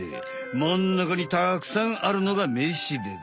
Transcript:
まんなかにたくさんあるのがめしべだ。